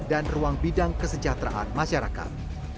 dan ruang bidang kesejahteraan masyarakat